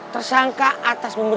tersangka atas pembelaan